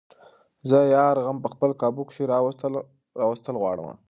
زۀ د يار غم په خپل قابو کښې راوستل غواړمه